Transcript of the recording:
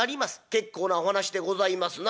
結構なお話でございますな』。